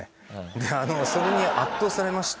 それに圧倒されまして。